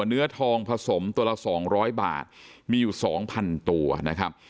เนื้อทองผสมตัวละ๒๐๐บาทมีอยู่สองพันตัวนะครับ